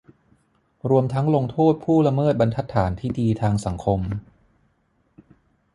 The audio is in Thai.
รวมทั้งลงโทษผู้ละเมิดบรรทัดฐานที่ดีทางสังคม